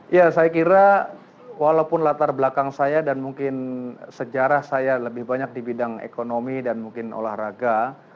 ya saya kira walaupun latar belakang saya dan mungkin sejarah saya lebih banyak di bidang ekonomi dan mungkin olahraga